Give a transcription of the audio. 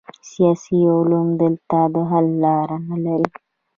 سیاسي علوم دلته د حل لاره نلري.